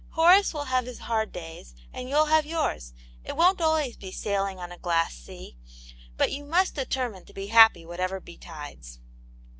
Horace will have his hard days and yoy'll have yours, it won't always be sailing on a glass sea ; but you must determine to be happy whatever betides."